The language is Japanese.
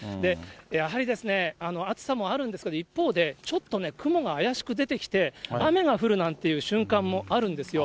やはり暑さもあるんですけど、一方で、ちょっとね、雲が怪しく出てきて、雨が降るなんていう瞬間もあるんですよ。